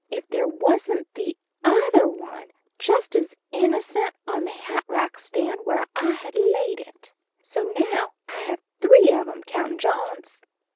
if there wasn't the other one, just as innocent, on the hatrack stand where I had laid it. So now I have three of 'em, countin' John's.